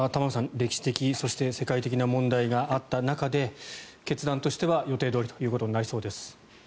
歴史的、世界的な問題があった中で決断としては予定どおりということになりそうです。